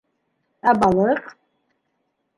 Ә балыҡ?..